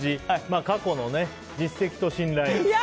過去の実績と信頼。